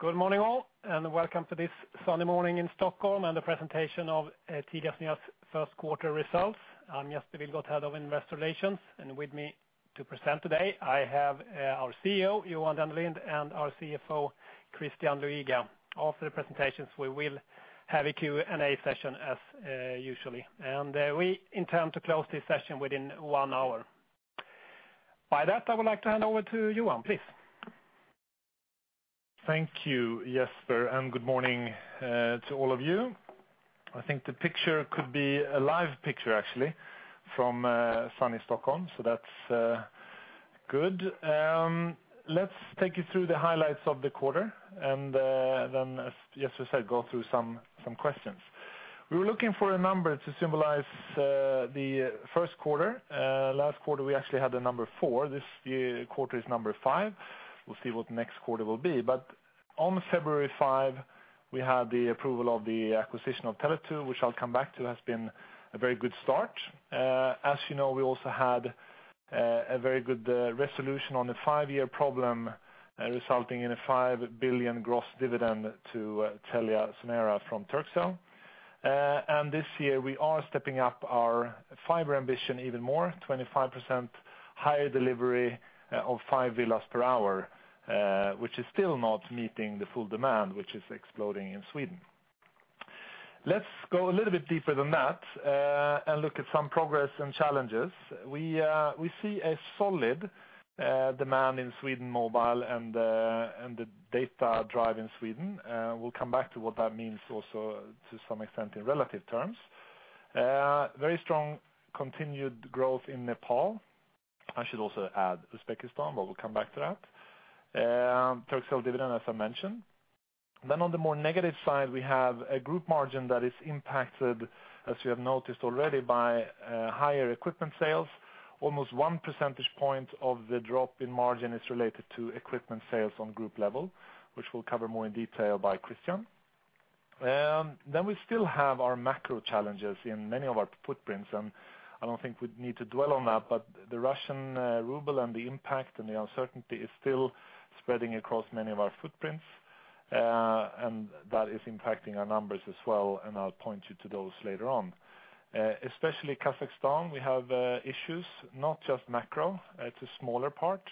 Good morning all, welcome to this sunny morning in Stockholm and the presentation of TeliaSonera's first quarter results. I'm Jesper Wilgodt, Head of Investor Relations, and with me to present today, I have our CEO, Johan Dennelind, and our CFO, Christian Luiga. After the presentations, we will have a Q&A session as usually. We intend to close this session within one hour. By that, I would like to hand over to Johan, please. Thank you, Jesper, good morning to all of you. I think the picture could be a live picture, actually, from sunny Stockholm, so that's good. Let's take you through the highlights of the quarter, then, as Jesper said, go through some questions. We were looking for a number to symbolize the first quarter. Last quarter, we actually had the number four. This quarter is number five. We'll see what next quarter will be. On February 5, we had the approval of the acquisition of Tele2, which I'll come back to, has been a very good start. As you know, we also had a very good resolution on the five-year problem, resulting in a 5 billion gross dividend to TeliaSonera from Turkcell. This year we are stepping up our fiber ambition even more, 25% higher delivery of fiber-villas per hour, which is still not meeting the full demand, which is exploding in Sweden. Let's go a little bit deeper than that, look at some progress and challenges. We see a solid demand in Sweden mobile and the data drive in Sweden. We'll come back to what that means also to some extent in relative terms. Very strong continued growth in Nepal. I should also add Uzbekistan, but we'll come back to that. Turkcell dividend, as I mentioned. On the more negative side, we have a group margin that is impacted, as you have noticed already, by higher equipment sales. Almost one percentage point of the drop in margin is related to equipment sales on group level, which we'll cover more in detail by Christian. We still have our macro challenges in many of our footprints, and I don't think we'd need to dwell on that, but the Russian ruble and the impact and the uncertainty is still spreading across many of our footprints. That is impacting our numbers as well, and I'll point you to those later on. Especially Kazakhstan, we have issues, not just macro. It's a smaller part.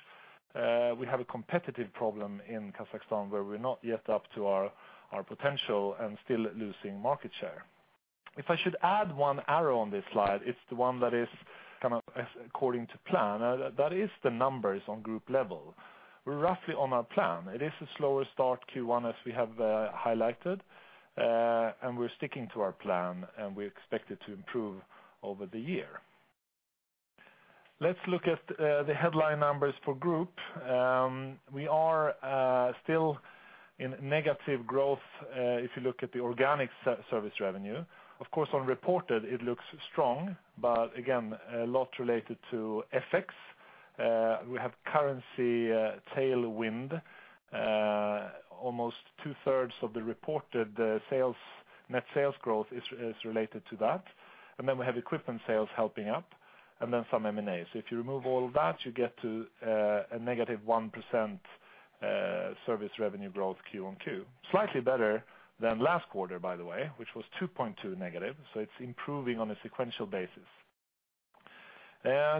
We have a competitive problem in Kazakhstan where we're not yet up to our potential and still losing market share. If I should add one arrow on this slide, it's the one that is kind of according to plan. That is the numbers on group level. We're roughly on our plan. It is a slower start Q1 as we have highlighted, and we're sticking to our plan, and we expect it to improve over the year. Let's look at the headline numbers for group. We are still in negative growth if you look at the organic service revenue. Of course on reported it looks strong, but again, a lot related to FX. We have currency tailwind. Almost two-thirds of the reported net sales growth is related to that. We have equipment sales helping up, and then some M&As. If you remove all of that, you get to a negative 1% service revenue growth Q on Q. Slightly better than last quarter, by the way, which was 2.2% negative, so it is improving on a sequential basis.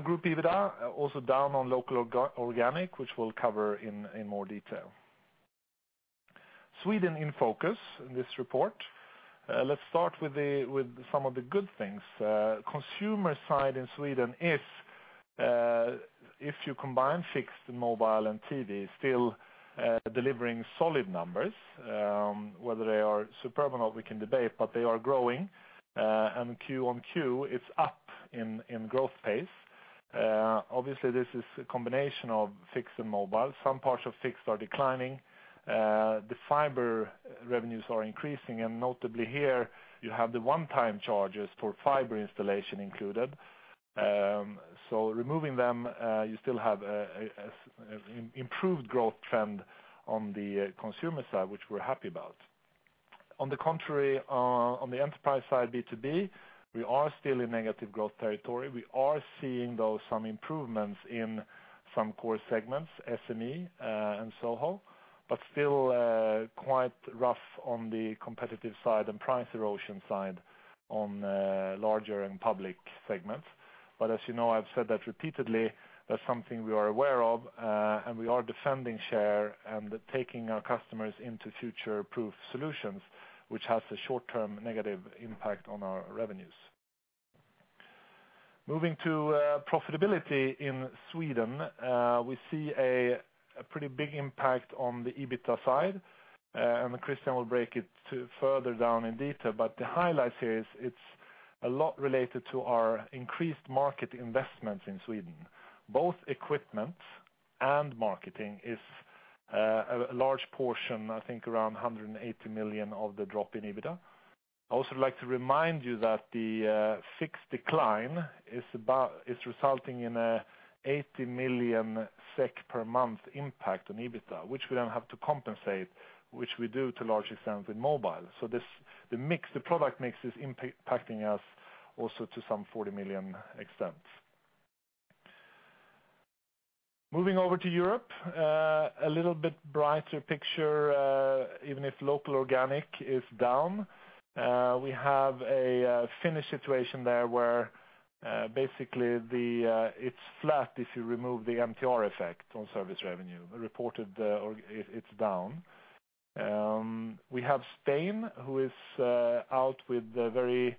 Group EBITDA also down on local organic, which we will cover in more detail. Sweden in focus in this report. Let's start with some of the good things. Consumer side in Sweden is, if you combine fixed, mobile, and TV, still delivering solid numbers. Whether they are superb or not, we can debate, but they are growing. Q on Q, it is up in growth pace. Obviously, this is a combination of fixed and mobile. Some parts of fixed are declining. The fiber revenues are increasing, and notably here, you have the one-time charges for fiber installation included. Removing them, you still have an improved growth trend on the consumer side, which we are happy about. On the contrary, on the enterprise side, B2B, we are still in negative growth territory. We are seeing, though, some improvements in some core segments, SME and SOHO, but still quite rough on the competitive side and price erosion side on larger and public segments. As you know, I have said that repeatedly, that is something we are aware of, and we are defending share and taking our customers into future-proof solutions, which has a short-term negative impact on our revenues. Moving to profitability in Sweden. We see a pretty big impact on the EBITDA side, and Christian will break it further down in detail, but the highlight here is it is a lot related to our increased market investment in Sweden. Both equipment and marketing is a large portion, I think around 180 million of the drop in EBITDA. I also like to remind you that the fixed decline is resulting in an 80 million SEK per month impact on EBITDA, which we do not have to compensate, which we do to a large extent with mobile. The product mix is impacting us also to some 40 million extent. Moving over to Europe, a little bit brighter picture, even if local organic is down. We have a Finnish situation there where basically it is flat if you remove the MTR effect on service revenue. Reported, it is down. We have Spain, who is out with a very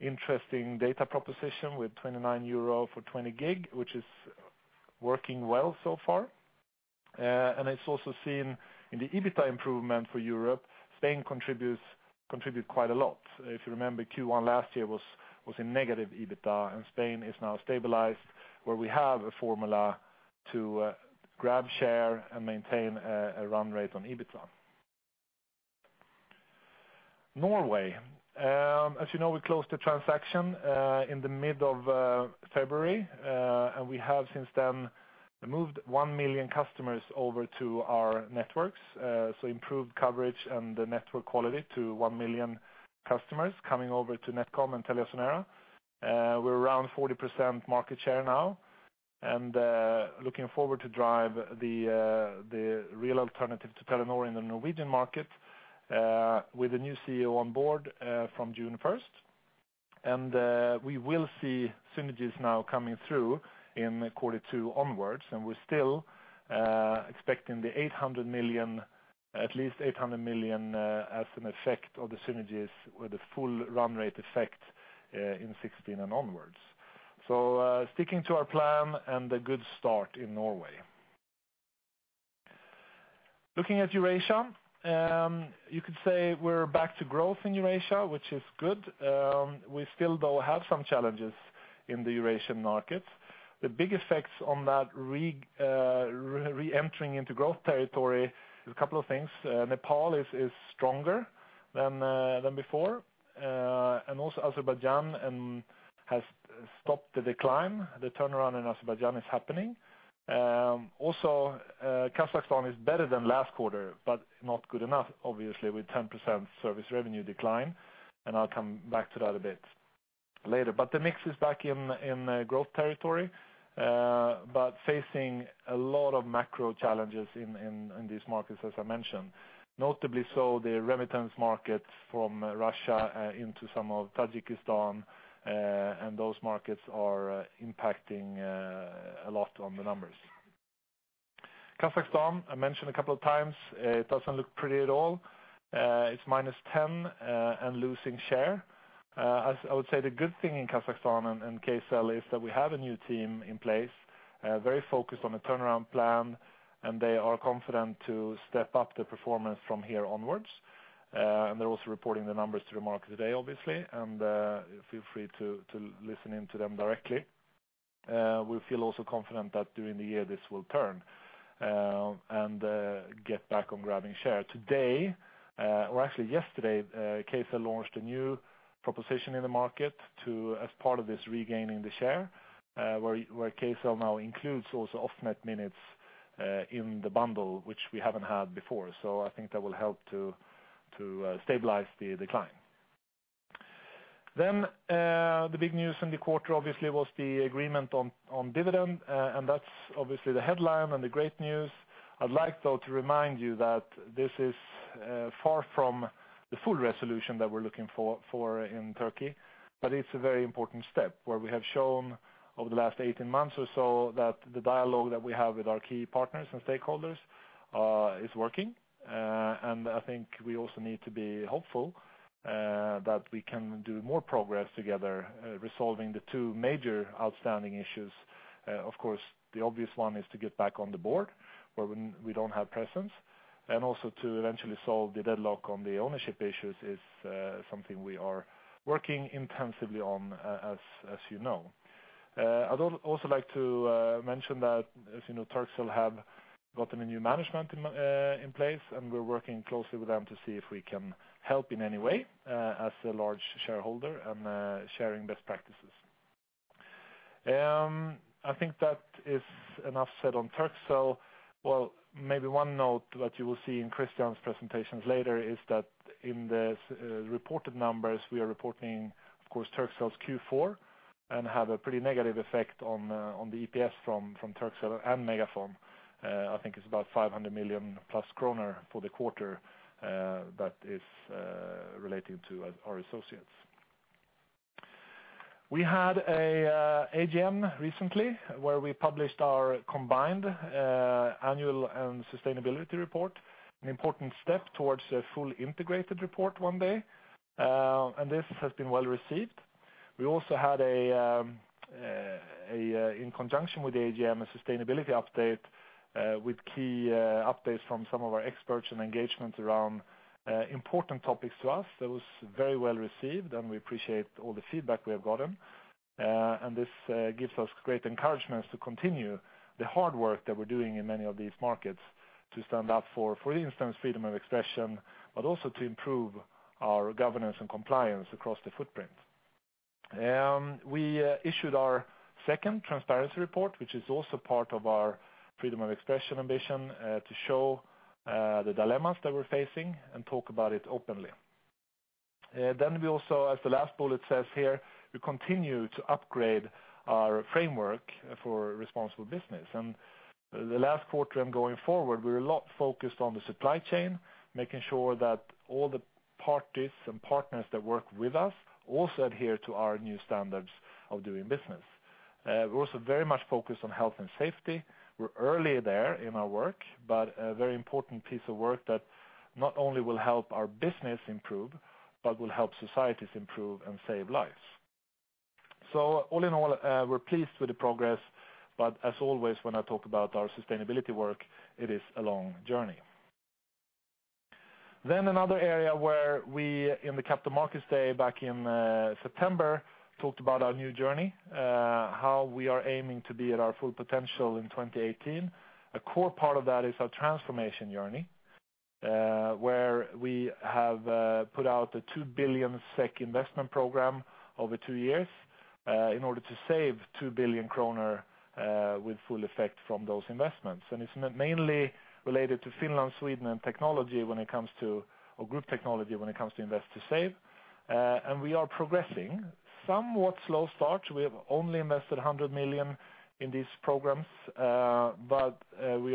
interesting data proposition with 29 euro for 20 GB, which is working well so far. It is also seen in the EBITDA improvement for Europe. Spain contributes quite a lot. If you remember, Q1 last year was a negative EBITDA, and Spain is now stabilized, where we have a formula to grab share and maintain a run rate on EBITDA. Norway. As you know, we closed the transaction in the mid of February, and we have since then moved 1 million customers over to our networks. Improved coverage and the network quality to 1 million customers coming over to NetCom and TeliaSonera. We're around 40% market share now, looking forward to drive the real alternative to Telenor in the Norwegian market, with a new CEO on board from June 1st. We will see synergies now coming through in Q2 onwards, and we're still expecting at least 800 million as an effect of the synergies with the full run rate effect in 2016 and onwards. Sticking to our plan and a good start in Norway. Looking at Eurasia. You could say we're back to growth in Eurasia, which is good. We still, though, have some challenges in the Eurasian market. The big effects on that re-entering into growth territory is a couple of things. Nepal is stronger than before, and Azerbaijan has stopped the decline. The turnaround in Azerbaijan is happening. Kazakhstan is better than last quarter, but not good enough, obviously, with 10% service revenue decline, and I'll come back to that a bit later. The mix is back in growth territory, but facing a lot of macro challenges in these markets, as I mentioned. Notably so, the remittance markets from Russia into some of Tajikistan, and those markets are impacting a lot on the numbers. Kazakhstan, I mentioned a couple of times, it doesn't look pretty at all. It's -10% and losing share. I would say the good thing in Kazakhstan and Kcell is that we have a new team in place, very focused on the turnaround plan, and they are confident to step up the performance from here onwards. They're also reporting the numbers to the market today, obviously, and feel free to listen in to them directly. We feel also confident that during the year this will turn, and get back on grabbing share. Today, or actually yesterday, Kcell launched a new proposition in the market as part of this regaining the share, where Kcell now includes also off-net minutes in the bundle, which we haven't had before. I think that will help to stabilize the decline. The big news in the quarter obviously was the agreement on dividend, and that's obviously the headline and the great news. I'd like, though, to remind you that this is far from the full resolution that we're looking for in Turkey, but it's a very important step where we have shown over the last 18 months or so that the dialogue that we have with our key partners and stakeholders is working. I think we also need to be hopeful that we can do more progress together resolving the two major outstanding issues. Of course, the obvious one is to get back on the board, where we don't have presence, and also to eventually solve the deadlock on the ownership issues is something we are working intensively on, as you know. I'd also like to mention that, as you know, Turkcell have gotten a new management in place, and we're working closely with them to see if we can help in any way as a large shareholder and sharing best practices. I think that is enough said on Turkcell. Well, maybe one note that you will see in Christian's presentations later is that in the reported numbers, we are reporting, of course, Turkcell's Q4, and have a pretty negative effect on the EPS from Turkcell and MegaFon. I think it's about 500 million kronor plus for the quarter that is relating to our associates. We had an AGM recently, where we published our combined annual and sustainability report, an important step towards a fully integrated report one day. This has been well received. We also had, in conjunction with the AGM, a sustainability update with key updates from some of our experts and engagement around important topics to us. That was very well received, and we appreciate all the feedback we have gotten. This gives us great encouragement to continue the hard work that we're doing in many of these markets to stand up for instance, freedom of expression, but also to improve our governance and compliance across the footprint. We issued our second transparency report, which is also part of our freedom of expression ambition to show the dilemmas that we're facing and talk about it openly. We also, as the last bullet says here, we continue to upgrade our framework for responsible business. The last quarter and going forward, we're a lot focused on the supply chain, making sure that all the parties and partners that work with us also adhere to our new standards of doing business. We're also very much focused on health and safety. We're early there in our work, but a very important piece of work that not only will help our business improve, but will help societies improve and save lives. All in all, we're pleased with the progress, but as always, when I talk about our sustainability work, it is a long journey. Another area where we, in the Capital Markets Day back in September, talked about our new journey, how we are aiming to be at our full potential in 2018. A core part of that is our transformation journey, where we have put out a 2 billion SEK investment program over two years in order to save 2 billion kronor with full effect from those investments. It's mainly related to Finland, Sweden, and technology when it comes to group technology, when it comes to invest to save. We are progressing. Somewhat slow start. We have only invested 100 million in these programs. We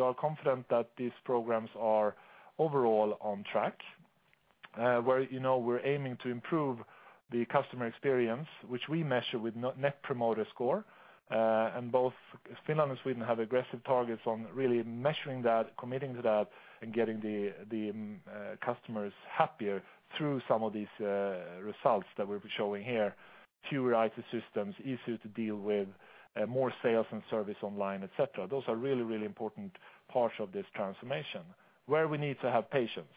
are confident that these programs are overall on track, where we're aiming to improve the customer experience, which we measure with Net Promoter Score. Both Finland and Sweden have aggressive targets on really measuring that, committing to that, and getting the customers happier through some of these results that we're showing here. Fewer IT systems, easier to deal with, more sales and service online, et cetera. Those are really important parts of this transformation, where we need to have patience.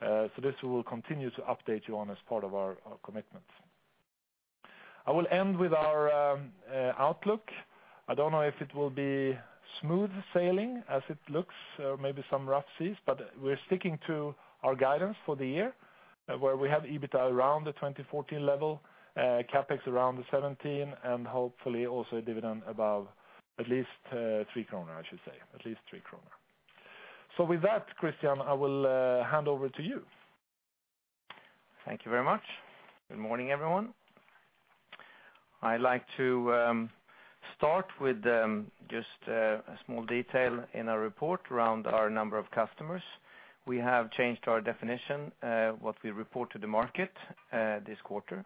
This we will continue to update you on as part of our commitment. I will end with our outlook. I don't know if it will be smooth sailing as it looks. There may be some rough seas, but we're sticking to our guidance for the year, where we have EBITDA around the 2014 level, CapEx around 17 billion, and hopefully also a dividend above at least 3 kronor, I should say. At least 3 kronor. With that, Christian, I will hand over to you. Thank you very much. Good morning, everyone. I'd like to start with just a small detail in our report around our number of customers. We have changed our definition, what we report to the market this quarter.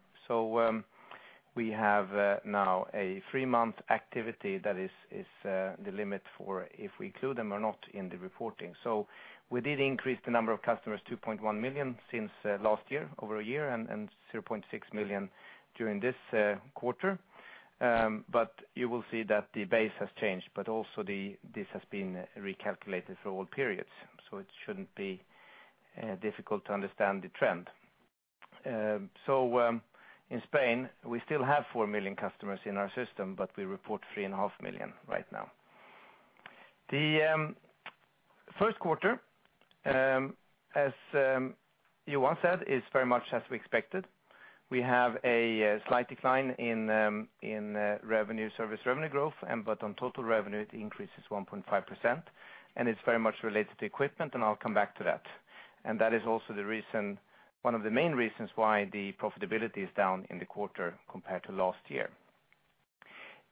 We have now a three-month activity that is the limit for if we include them or not in the reporting. We did increase the number of customers, 2.1 million since last year, over a year, and 0.6 million during this quarter. You will see that the base has changed, but also this has been recalculated for all periods, it shouldn't be difficult to understand the trend. In Spain, we still have four million customers in our system, but we report three and a half million right now. The first quarter, as Johan said, is very much as we expected. We have a slight decline in service revenue growth, on total revenue, the increase is 1.5%, it's very much related to equipment, I'll come back to that. That is also one of the main reasons why the profitability is down in the quarter compared to last year.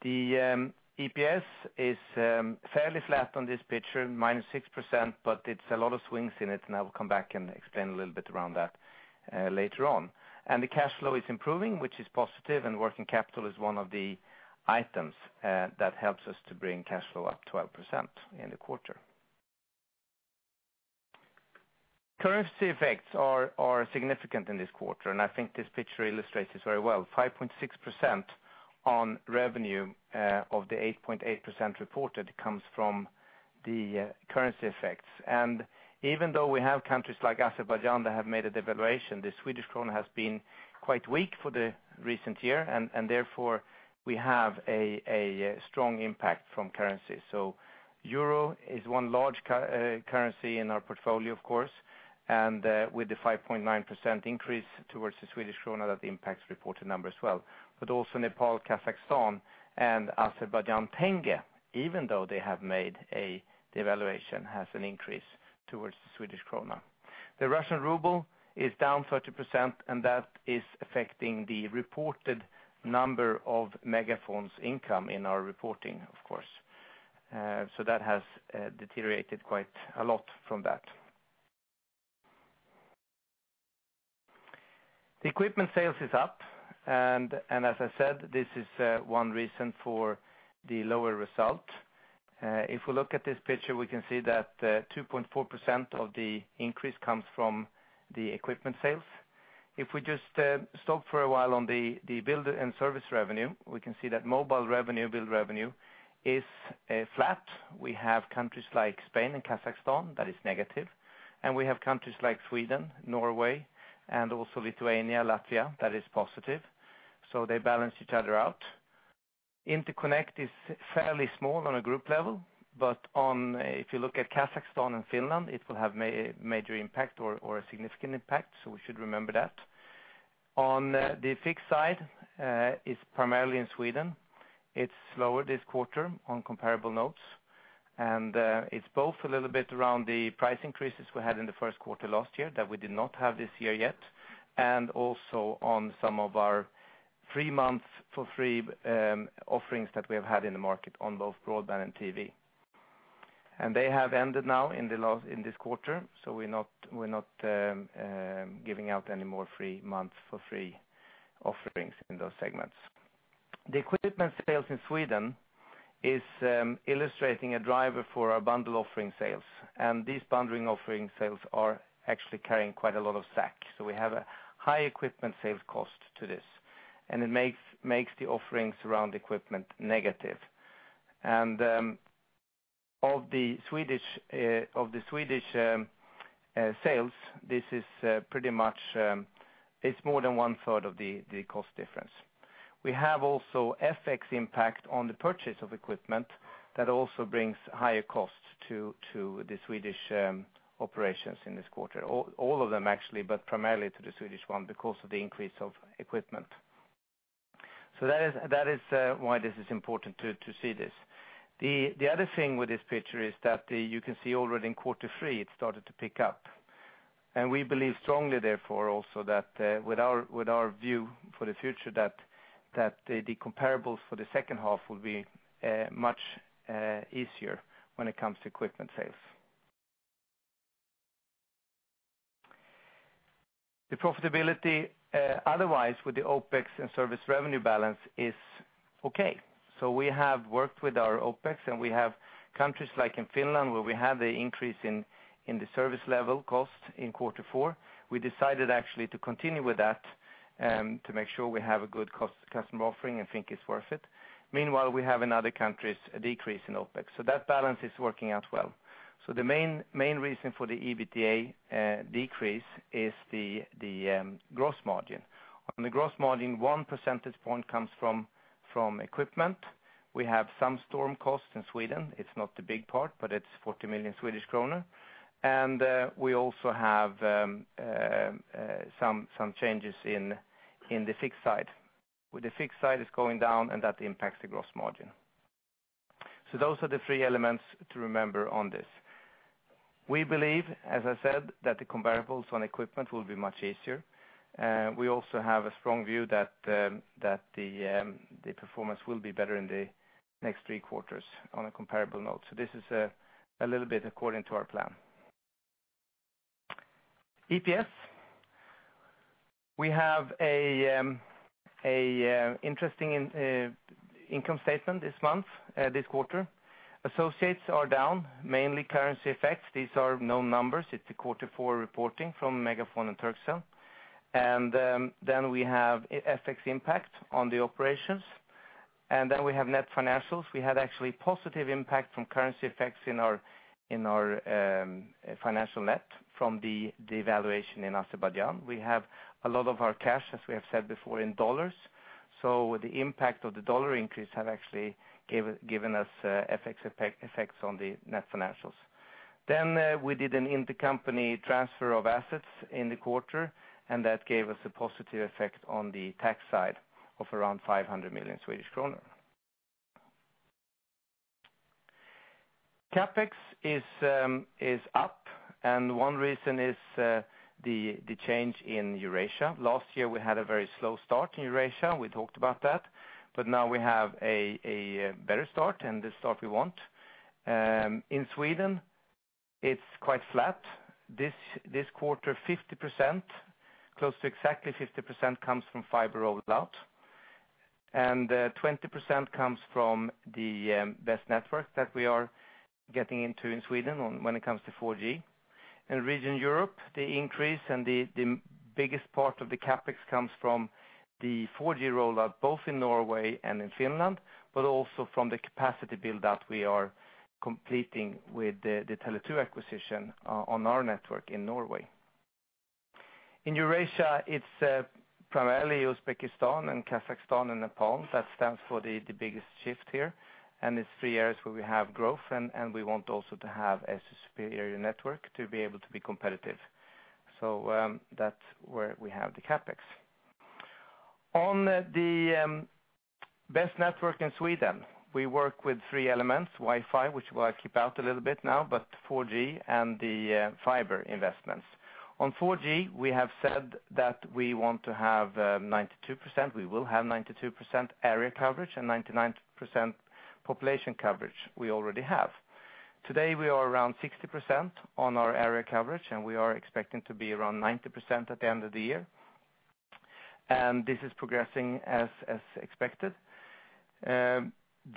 The EPS is fairly flat on this picture, -6%, it's a lot of swings in it, I will come back and explain a little bit around that later on. The cash flow is improving, which is positive, working capital is one of the items that helps us to bring cash flow up 12% in the quarter. Currency effects are significant in this quarter, I think this picture illustrates this very well, 5.6% on revenue of the 8.8% reported comes from the currency effects. Even though we have countries like Azerbaijan that have made a devaluation, the Swedish krona has been quite weak for the recent year, therefore, we have a strong impact from currency. Euro is one large currency in our portfolio, of course, with the 5.9% increase towards the Swedish krona, that impacts reported numbers as well. Also Nepal, Kazakhstan, and [Azerbaijan manat], even though they have made a devaluation, has an increase towards the Swedish krona. The Russian ruble is down 30%, that is affecting the reported number of MegaFon's income in our reporting, of course. That has deteriorated quite a lot from that. The equipment sales is up, as I said, this is one reason for the lower result. If we look at this picture, we can see that 2.4% of the increase comes from the equipment sales. If we just stop for a while on the bill and service revenue, we can see that mobile revenue, bill revenue, is flat. We have countries like Spain and Kazakhstan that is negative, we have countries like Sweden, Norway, and also Lithuania, Latvia, that is positive. They balance each other out. Interconnect is fairly small on a group level. If you look at Kazakhstan and Finland, it will have a major impact or a significant impact, we should remember that. On the fixed side, it's primarily in Sweden. It's slower this quarter on comparable notes. It's both a little bit around the price increases we had in the first quarter last year that we did not have this year yet, and also on some of our three months for free offerings that we have had in the market on both broadband and TV. They have ended now in this quarter, we're not giving out any more free months for free offerings in those segments. The equipment sales in Sweden is illustrating a driver for our bundle offering sales, and these bundling offering sales are actually carrying quite a lot of SAC. We have a high equipment sales cost to this, and it makes the offerings around equipment negative. Of the Swedish sales, this is pretty much, it's more than one-third of the cost difference. We have also FX impact on the purchase of equipment that also brings higher costs to the Swedish operations in this quarter. All of them actually, but primarily to the Swedish one because of the increase of equipment. That is why this is important to see this. The other thing with this picture is that you can see already in quarter three it started to pick up. We believe strongly therefore also that with our view for the future that the comparables for the second half will be much easier when it comes to equipment sales. The profitability, otherwise with the OpEx and service revenue balance is okay. We have worked with our OpEx, and we have countries like in Finland, where we have the increase in the service level cost in quarter four. We decided actually to continue with that to make sure we have a good customer offering and think it's worth it. Meanwhile, we have in other countries a decrease in OpEx. That balance is working out well. The main reason for the EBITDA decrease is the gross margin. On the gross margin, one percentage point comes from equipment. We have some storm costs in Sweden. It's not a big part, but it's 40 million Swedish kronor. We also have some changes in the fixed side. With the fixed side is going down, and that impacts the gross margin. Those are the three elements to remember on this. We believe, as I said, that the comparables on equipment will be much easier. We also have a strong view that the performance will be better in the next three quarters on a comparable note. This is a little bit according to our plan. EPS. We have an interesting income statement this month, this quarter. Associates are down, mainly currency effects. These are known numbers. It's the quarter four reporting from MegaFon and Turkcell. We have FX impact on the operations. We have net financials. We had actually positive impact from currency effects in our financial net from the devaluation in Azerbaijan. We have a lot of our cash, as we have said before, in dollars. The impact of the dollar increase have actually given us FX effects on the net financials. We did an intercompany transfer of assets in the quarter, and that gave us a positive effect on the tax side of around 500 million Swedish kronor. CapEx is up, one reason is the change in Eurasia. Last year, we had a very slow start in Eurasia. We talked about that, but now we have a better start and the start we want. In Sweden, it's quite flat. This quarter, 50%, close to exactly 50% comes from fiber rollout, and 20% comes from the best network that we are getting into in Sweden when it comes to 4G. In Region Europe, the increase and the biggest part of the CapEx comes from the 4G rollout, both in Norway and in Finland, also from the capacity build-out we are completing with the Tele2 acquisition on our network in Norway. In Eurasia, it's primarily Uzbekistan and Kazakhstan and Nepal that stands for the biggest shift here, it's three areas where we have growth, we want also to have a superior network to be able to be competitive. That's where we have the CapEx. On the best network in Sweden, we work with three elements, Wi-Fi, which I keep out a little bit now, 4G and the fiber investments. On 4G, we have said that we want to have 92%. We will have 92% area coverage and 99% population coverage we already have. Today, we are around 60% on our area coverage, we are expecting to be around 90% at the end of the year. This is progressing as expected.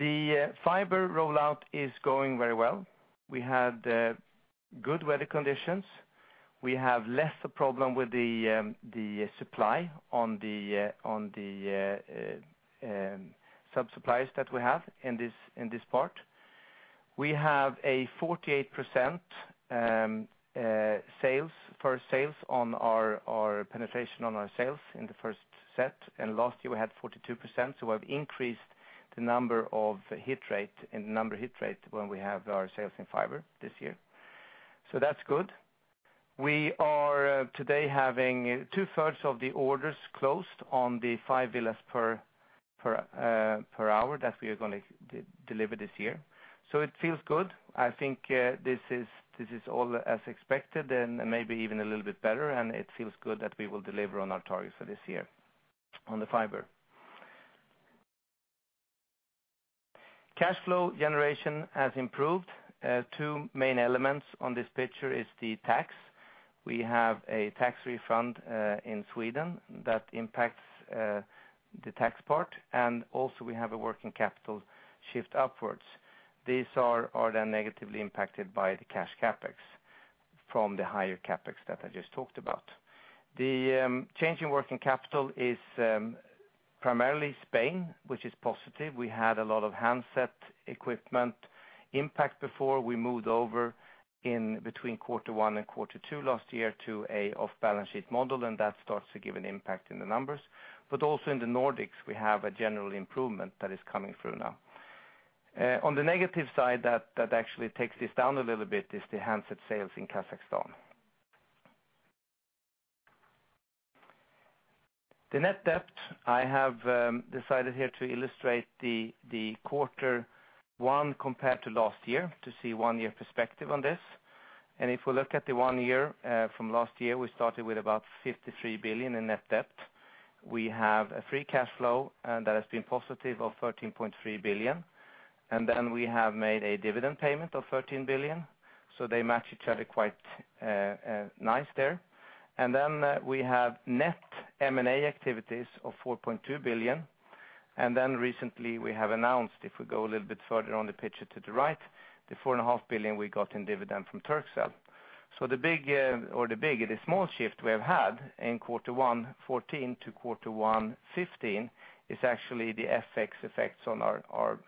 The fiber rollout is going very well. We have good weather conditions. We have less a problem with the supply on the sub-suppliers that we have in this part. We have a 48% sales for sales on our penetration on our sales in the first set, last year we had 42%, we've increased the number of hit rate and number hit rate when we have our sales in fiber this year. That's good. We are today having two-thirds of the orders closed on the fiber-villas per hour that we are going to deliver this year. It feels good. I think this is all as expected maybe even a little bit better, it feels good that we will deliver on our targets for this year on the fiber. Cash flow generation has improved. Two main elements on this picture is the tax. We have a tax refund in Sweden that impacts the tax part, also we have a working capital shift upwards. These are then negatively impacted by the cash CapEx from the higher CapEx that I just talked about. The change in working capital is primarily Spain, which is positive. We had a lot of handset equipment impact before we moved over in between quarter one and quarter two last year to an off-balance sheet model, that starts to give an impact in the numbers. Also in the Nordics, we have a general improvement that is coming through now. On the negative side, that actually takes this down a little bit, is the handset sales in Kazakhstan. The net debt, I have decided here to illustrate the quarter one compared to last year to see one-year perspective on this. If we look at the one year from last year, we started with about 53 billion in net debt. We have a free cash flow that has been positive of 13.3 billion. Then we have made a dividend payment of 13 billion. They match each other quite nice there. Then we have net M&A activities of 4.2 billion. Then recently we have announced, if we go a little bit further on the picture to the right, the 4.5 billion we got in dividend from Turkcell. The small shift we have had in Q1 2014 to Q1 2015 is actually the FX effects on our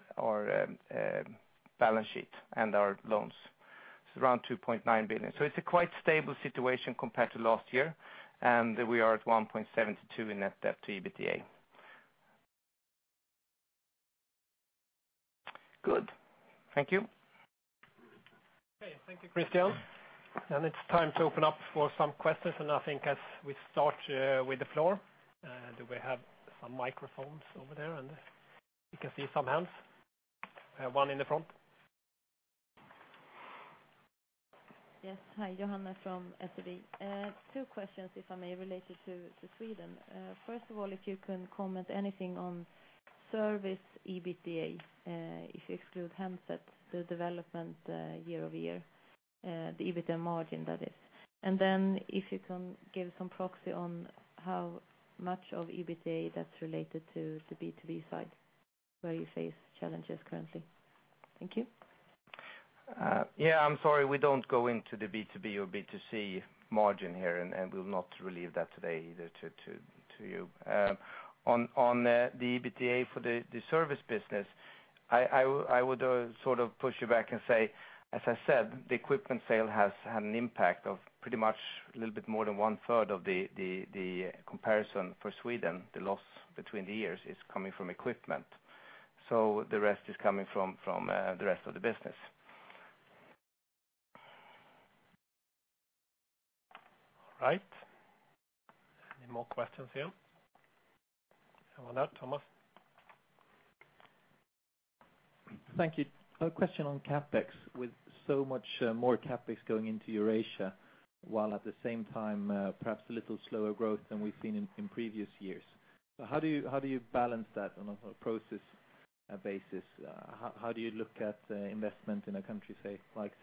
balance sheet and our loans. It is around 2.9 billion. It is a quite stable situation compared to last year. We are at 1.72 in net debt to EBITDA. Good. Thank you. Okay. Thank you, Christian. It is time to open up for some questions, and I think as we start with the floor. Do we have some microphones over there? We can see some hands. One in the front. Yes. Hi. Johanna from SEB. Two questions, if I may, related to Sweden. First of all, if you can comment anything on service EBITDA, if you exclude handsets, the development year-over-year, the EBITDA margin, that is. Then if you can give some proxy on how much of EBITDA that is related to the B2B side, where you face challenges currently. Thank you. Yeah, I am sorry. We do not go into the B2B or B2C margin here, we will not reveal that today either to you. On the EBITDA for the service business, I would sort of push you back and say, as I said, the equipment sale has had an impact of pretty much a little bit more than one-third of the comparison for Sweden. The loss between the years is coming from equipment. The rest is coming from the rest of the business. All right. Any more questions here? How about that, Thomas? Thank you. A question on CapEx. With so much more CapEx going into Eurasia, while at the same time, perhaps a little slower growth than we've seen in previous years. How do you balance that on a process basis? How do you look at investment in a country, say, like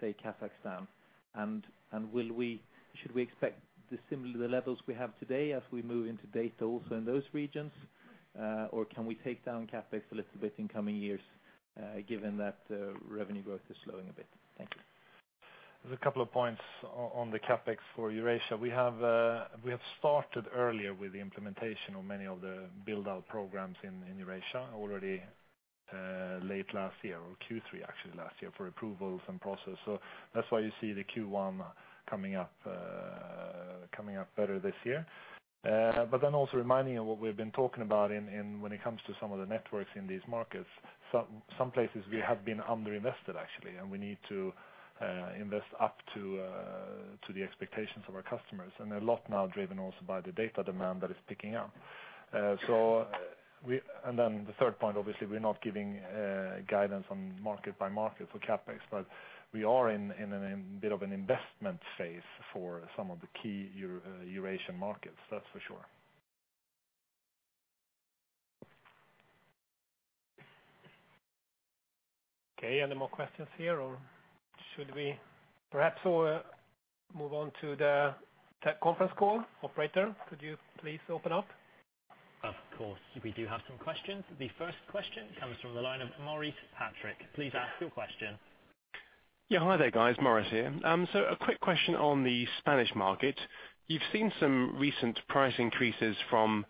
Kazakhstan? Should we expect the similar levels we have today as we move into data also in those regions? Can we take down CapEx a little bit in coming years, given that revenue growth is slowing a bit? Thank you. There's a couple of points on the CapEx for Eurasia. We have started earlier with the implementation of many of the build-out programs in Eurasia already late last year, or Q3 actually last year, for approvals and process. That's why you see the Q1 coming up better this year. Also reminding of what we've been talking about when it comes to some of the networks in these markets. Some places we have been under-invested actually, and we need to invest up to the expectations of our customers, and a lot now driven also by the data demand that is picking up. The third point, obviously, we're not giving guidance on market by market for CapEx, but we are in a bit of an investment phase for some of the key Eurasian markets. That's for sure. Okay. Any more questions here, or should we perhaps move on to the tech conference call? Operator, could you please open up? Of course. We do have some questions. The first question comes from the line of Maurice Patrick. Please ask your question. Yeah. Hi there, guys. Maurice here. A quick question on the Spanish market. You've seen some recent price increases from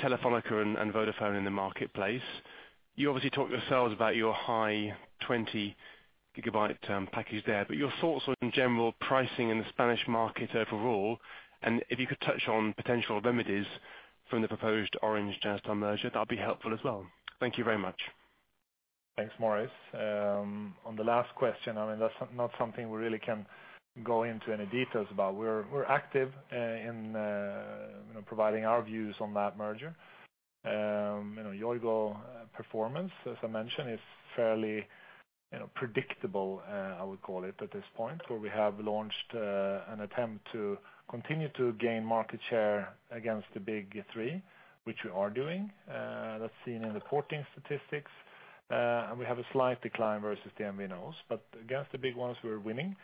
Telefónica and Vodafone in the marketplace. You obviously talked yourselves about your high 20 gigabyte package there, but your thoughts on general pricing in the Spanish market overall, and if you could touch on potential remedies from the proposed Orange-Jazztel merger, that'd be helpful as well. Thank you very much. Thanks, Maurice. On the last question, that's not something we really can go into any details about. We're active in providing our views on that merger. Yoigo performance, as I mentioned, is fairly predictable, I would call it at this point, where we have launched an attempt to continue to gain market share against the big three, which we are doing. That's seen in the porting statistics. We have a slight decline versus the MVNOs, but against the big ones we're winning,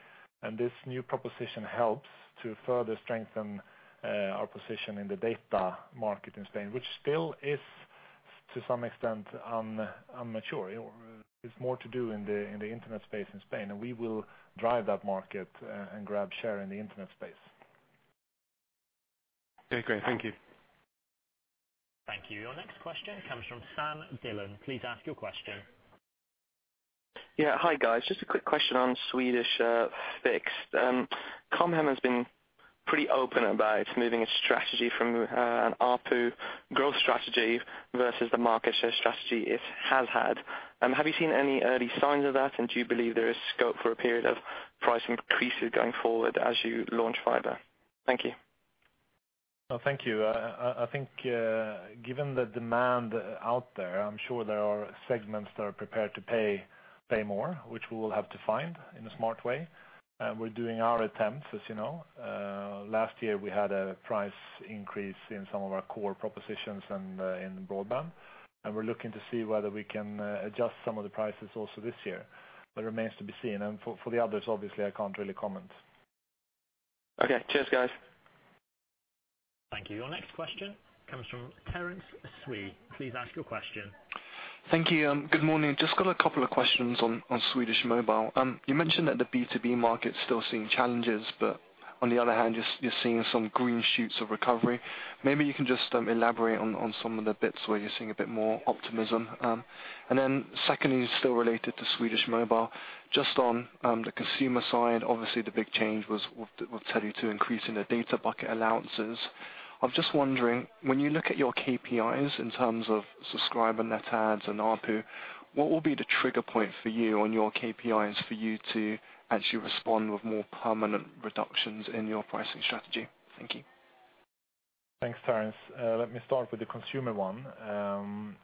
and this new proposition helps to further strengthen our position in the data market in Spain, which still is, to some extent, immature. There's more to do in the internet space in Spain, and we will drive that market and grab share in the internet space. Okay, great. Thank you. Thank you. Your next question comes from Sam Dillon. Please ask your question. Yeah. Hi, guys. Just a quick question on Swedish fixed. Com Hem has been pretty open about moving its strategy from an ARPU growth strategy versus the market share strategy it has had. Have you seen any early signs of that, and do you believe there is scope for a period of price increases going forward as you launch fiber? Thank you. No, thank you. I think given the demand out there, I'm sure there are segments that are prepared to pay more, which we will have to find in a smart way. We're doing our attempts, as you know. Last year, we had a price increase in some of our core propositions and in broadband, and we're looking to see whether we can adjust some of the prices also this year, but it remains to be seen. For the others, obviously, I can't really comment. Okay. Cheers, guys. Thank you. Your next question comes from Terence Tsui. Please ask your question. Thank you. Good morning. Just got a couple of questions on Swedish mobile. You mentioned that the B2B market's still seeing challenges, but on the other hand, you're seeing some green shoots of recovery. Maybe you can just elaborate on some of the bits where you're seeing a bit more optimism. Secondly, still related to Swedish mobile, just on the consumer side, obviously the big change was Telia to increasing their data bucket allowances. I was just wondering, when you look at your KPIs in terms of subscriber net adds and ARPU, what will be the trigger point for you on your KPIs for you to actually respond with more permanent reductions in your pricing strategy? Thank you. Thanks, Terence. Let me start with the consumer one.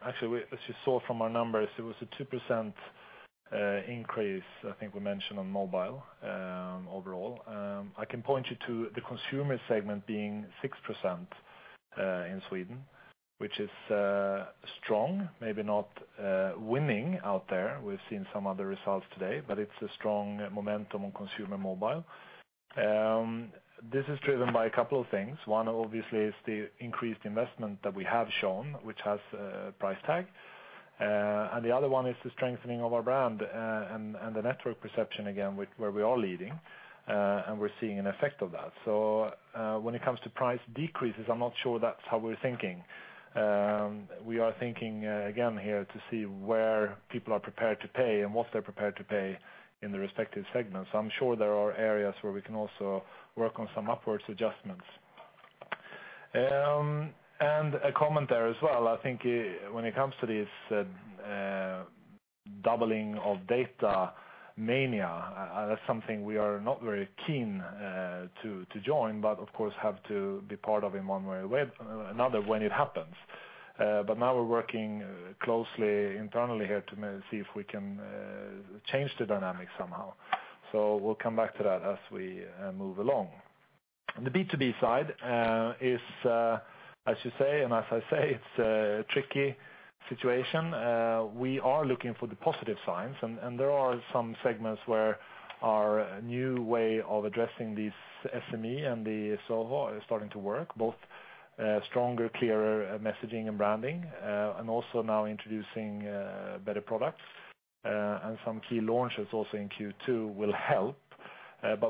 Actually, as you saw from our numbers, it was a 2% increase I think we mentioned on mobile overall. I can point you to the consumer segment being 6% in Sweden, which is strong, maybe not winning out there. We've seen some other results today, but it's a strong momentum on consumer mobile. This is driven by a couple of things. One obviously is the increased investment that we have shown, which has a price tag. The other one is the strengthening of our brand, and the network perception again, where we are leading, and we're seeing an effect of that. When it comes to price decreases, I'm not sure that's how we're thinking. We are thinking again here to see where people are prepared to pay and what they're prepared to pay in the respective segments. I'm sure there are areas where we can also work on some upwards adjustments. A comment there as well, I think when it comes to this doubling of data mania, that's something we are not very keen to join, but of course have to be part of in one way or another when it happens. Now we're working closely internally here to see if we can change the dynamics somehow. We'll come back to that as we move along. On the B2B side, as you say and as I say, it's a tricky situation. We are looking for the positive signs, and there are some segments where our new way of addressing these SME and the SOHO are starting to work, both stronger, clearer messaging and branding, and also now introducing better products. Some key launches also in Q2 will help.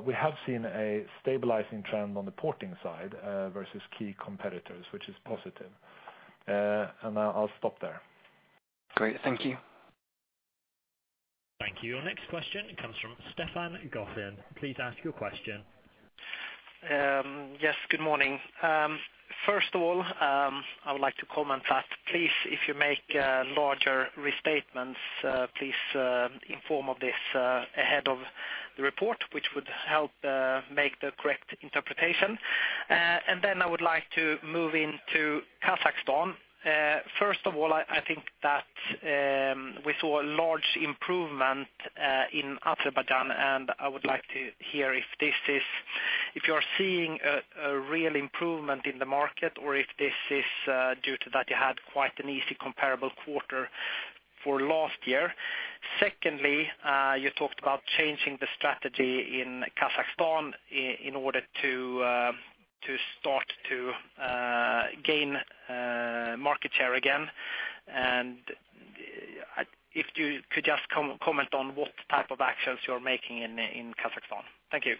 We have seen a stabilizing trend on the porting side versus key competitors, which is positive. I'll stop there. Great. Thank you. Thank you. Your next question comes from Stefan Gauffin. Please ask your question. Yes, good morning. First of all, I would like to comment that please, if you make larger restatements, please inform of this ahead of the report, which would help make the correct interpretation. Then I would like to move into Kazakhstan. First of all, I think that we saw a large improvement in Azerbaijan, and I would like to hear if you are seeing a real improvement in the market, or if this is due to that you had quite an easy comparable quarter for last year. Secondly, you talked about changing the strategy in Kazakhstan in order to start to gain market share again. If you could just comment on what type of actions you're making in Kazakhstan. Thank you.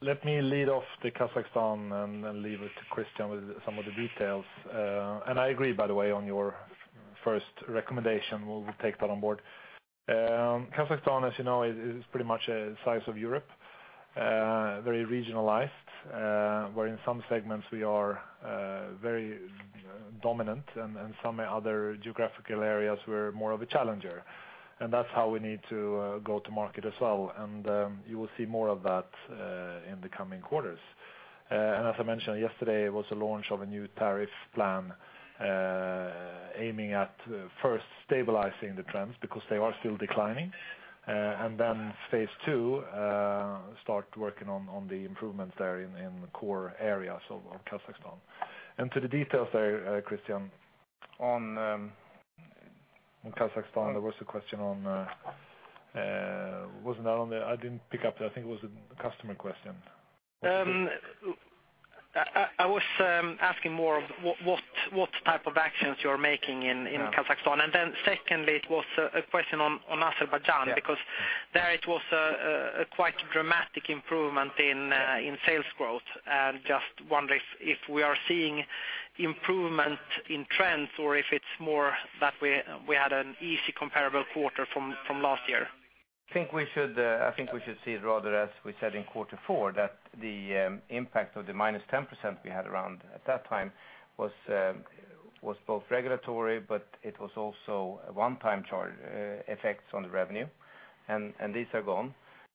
Let me lead off the Kazakhstan and then leave it to Christian with some of the details. I agree, by the way, on your first recommendation. We'll take that on board. Kazakhstan, as you know, is pretty much the size of Europe. Very regionalized, where in some segments we are very dominant and some other geographical areas we're more of a challenger. That's how we need to go to market as well. You will see more of that in the coming quarters. As I mentioned yesterday, was the launch of a new tariff plan aiming at first stabilizing the trends because they are still declining. Then phase 2, start working on the improvements there in the core areas of Kazakhstan. To the details there, Christian, on Kazakhstan, there was a question on, wasn't that on the, I didn't pick up. I think it was a customer question. I was asking more of what type of actions you're making in Kazakhstan. Secondly, it was a question on Azerbaijan, because there it was a quite dramatic improvement in sales growth. Just wonder if we are seeing improvement in trends or if it's more that we had an easy comparable quarter from last year. I think we should see it rather, as we said in quarter four, that the impact of the -10% we had around at that time was both regulatory, but it was also a one-time charge effects on the revenue, and these are gone.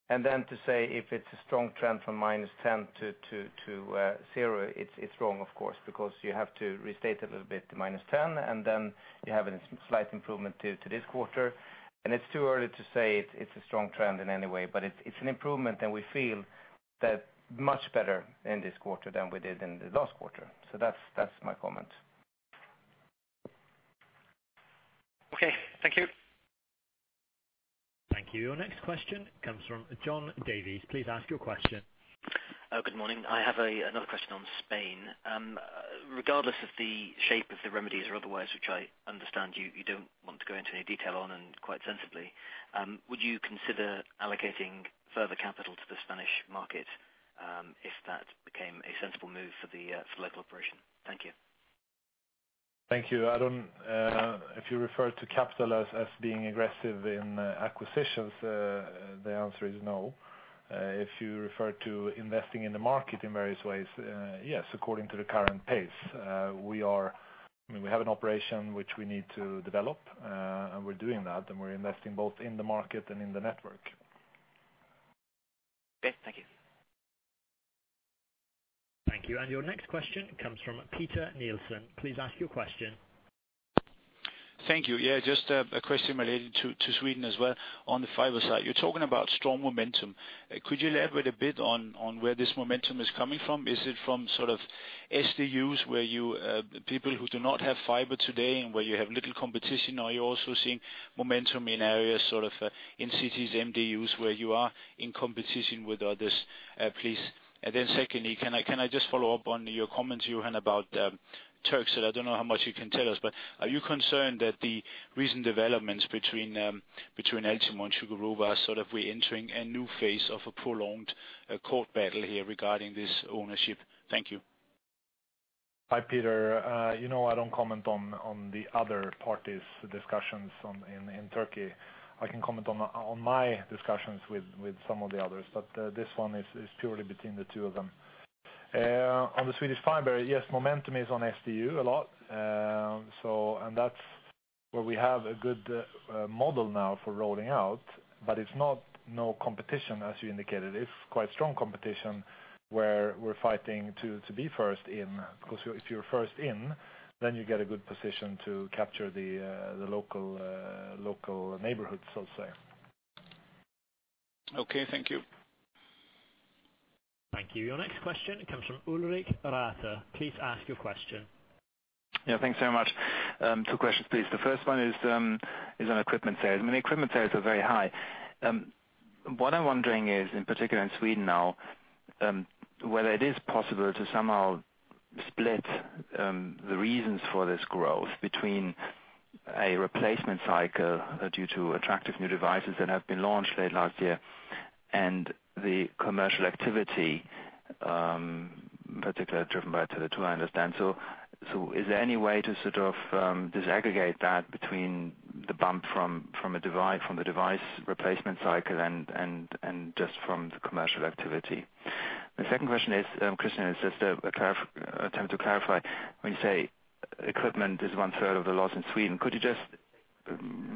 Then to say if it's a strong trend from -10 to 0, it's wrong, of course, because you have to restate a little bit to -10, and then you have a slight improvement to this quarter, and it's too early to say it's a strong trend in any way. It's an improvement, and we feel that much better in this quarter than we did in the last quarter. That's my comment. Okay. Thank you. Thank you. Your next question comes from John Davies. Please ask your question. Good morning. I have another question on Spain. Regardless of the shape of the remedies or otherwise, which I understand you don't want to go into any detail on, and quite sensibly. Would you consider allocating further capital to the Spanish market if that became a sensible move for the select operation? Thank you. Thank you. If you refer to capital as being aggressive in acquisitions, the answer is no. If you refer to investing in the market in various ways, yes, according to the current pace. We have an operation which we need to develop, and we're doing that, and we're investing both in the market and in the network. Okay. Thank you. Thank you. Your next question comes from Peter Nielsen. Please ask your question. Thank you. Just a question related to Sweden as well, on the fiber side. You're talking about strong momentum. Could you elaborate a bit on where this momentum is coming from? Is it from SDUs, people who do not have fiber today and where you have little competition? Are you also seeing momentum in areas in cities, MDUs, where you are in competition with others, please? Secondly, can I just follow up on your comments, Johan, about Turkcell? I don't know how much you can tell us, but are you concerned that the recent developments between Altimo and Cukurova, sort of reentering a new phase of a prolonged court battle here regarding this ownership? Thank you. Hi, Peter. You know I don't comment on the other parties' discussions in Turkey. I can comment on my discussions with some of the others, but this one is purely between the two of them. On the Swedish fiber, yes, momentum is on SDU a lot. That's where we have a good model now for rolling out. It's not no competition, as you indicated. It's quite strong competition where we're fighting to be first in, because if you're first in, then you get a good position to capture the local neighborhoods, so to say. Okay. Thank you. Thank you. Your next question comes from Ulrich Rathe. Please ask your question. Thanks very much. Two questions, please. The first one is on equipment sales. I mean, equipment sales are very high. What I'm wondering is, in particular in Sweden now, whether it is possible to somehow split the reasons for this growth between a replacement cycle due to attractive new devices that have been launched late last year and the commercial activity, particularly driven by Tele2, I understand. Is there any way to disaggregate that between the bump from the device replacement cycle and just from the commercial activity? The second question is, Christian, it's just an attempt to clarify. When you say equipment is one third of the loss in Sweden, could you just